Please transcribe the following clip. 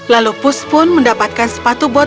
lalu pus pun mendapatkan sepatu bot